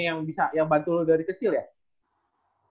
yang bisa yang bantu lo dari kecil ya